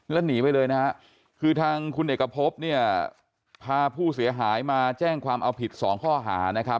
แล้วหนีไปเลยนะครับคือทางคุณเด็กกะพบพาผู้เสียหายมาแจ้งความเอาผิด๒ข้อหา